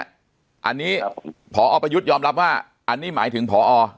อันนี้พอประยุทธ์ยอมรับว่าอันนี้หมายถึงพอ